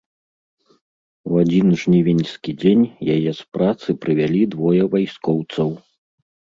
У адзін жнівеньскі дзень яе з працы прывялі двое вайскоўцаў.